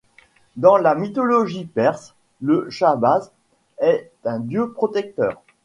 Dans la mythologie perse, le Shahbaz est un dieu protecteur.